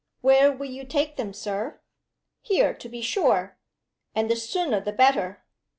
"Where will you take them, Sir?" "Here, to be sure! And the sooner the better."